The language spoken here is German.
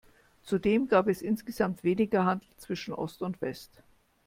Zudem gab es insgesamt weniger Handel zwischen Ost und West.